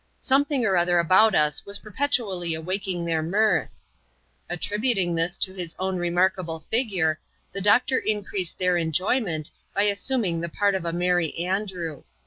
Something or other about us was perpetually awaking their mirth. Attributing this to his own remarkable figure, the doctor increased their enjoyment, by assuming the part of a Merry Andrew.